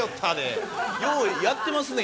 ようやってますね？